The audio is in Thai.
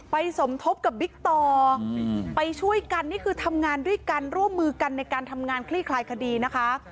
สมทบกับบิ๊กต่อไปช่วยกันนี่คือทำงานด้วยกันร่วมมือกันในการทำงานคลี่คลายคดีนะคะ